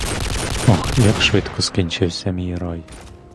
Ох, як швидко скінчився мій рай!